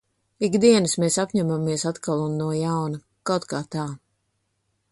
Ik dienas mēs apņemamies atkal un no jauna. Kaut kā tā.